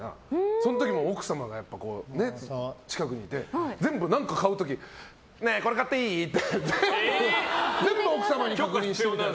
その時も奥さんが近くにいて全部何か買う時ねえ、これ買っていい？って全部、奥様に確認して。